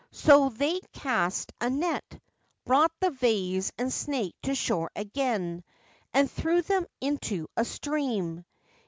So they cast a net, brought the vase and snake to shore again, and threw them into a stream.